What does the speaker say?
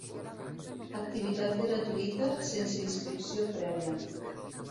Activitat gratuïta sense inscripció prèvia.